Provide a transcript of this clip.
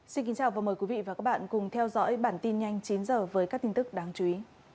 xin kính chào và mời quý vị và các bạn cùng theo dõi bản tin nhanh chín h với các tin tức đáng chú ý